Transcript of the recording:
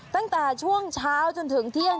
ตั้งแต่ช่วงเช้าจนถึงเที่ยง